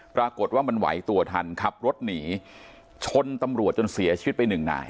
ปรากฏว่ามันไหวตัวทันขับรถหนีชนตำรวจจนเสียชีวิตไปหนึ่งนาย